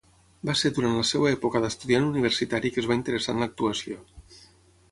Va ser durant la seva època d'estudiant universitari que es va interessar en l'actuació.